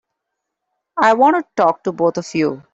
I want to talk to both of you.